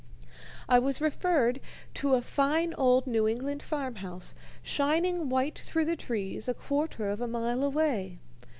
I was referred to a fine old New England farm house shining white through the trees a quarter of a mile away.